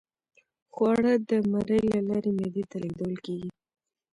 خواړه د مرۍ له لارې معدې ته لیږدول کیږي